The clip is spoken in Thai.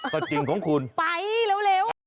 ตัดเจียงของคุณไปเหลว